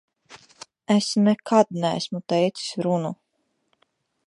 Es nekad neesmu teicis runu.